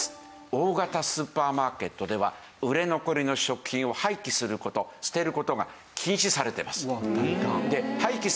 大型スーパーマーケットでは売れ残りの食品を廃棄する事捨てる事が禁止されてます。